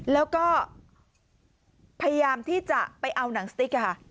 แล้วก็พยายามที่จะไปเอาหนังสติ๊กค่ะ